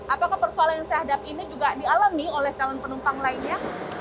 apakah persoalan yang saya hadapi ini juga dialami oleh calon penumpang lainnya